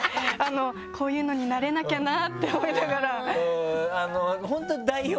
こういうのに慣れなきゃなって思いながら。